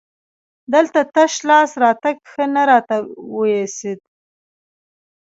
دلته تش لاس راتګ ښه نه راته وایسېد.